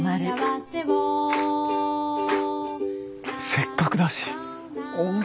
せっかくだし温泉